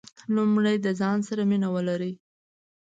لومړی د ځان سره مینه ولرئ .